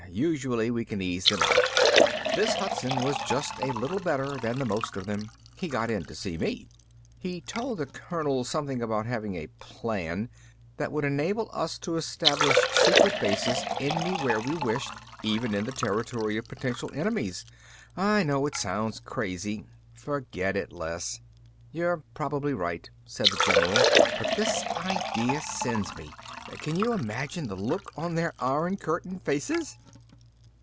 Usually we can ease them out. This Hudson was just a little better than the most of them. He got in to see me." "He told the colonel something about having a plan that would enable us to establish secret bases anywhere we wished, even in the territory of potential enemies. I know it sounds crazy...." "Forget it, Les." "You're probably right," said the general, "but this idea sends me. Can you imagine the look on their Iron Curtain faces?"